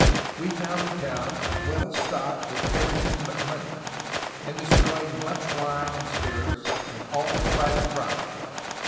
. We found the town well stocked with everything but money, and destroyed much wine and spirits and all the private property